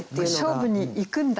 勝負に行くんだ